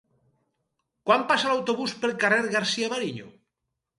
Quan passa l'autobús pel carrer García-Mariño?